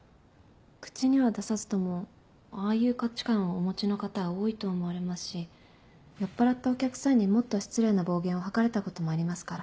口には出さずともああいう価値観をお持ちの方は多いと思われますし酔っぱらったお客さんにもっと失礼な暴言を吐かれたこともありますから。